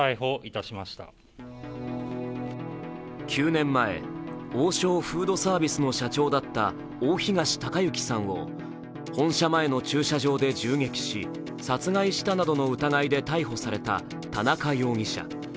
９年前、王将フードサービスの社長だった大東隆行さんを本社前の駐車場で銃撃し殺害したなどの疑いで逮捕された田中容疑者。